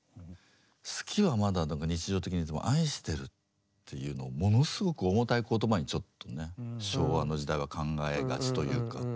「好き」はまだ何か日常的に言えても「愛してる」って言うのものすごく重たい言葉にちょっとね昭和の時代は考えがちというか。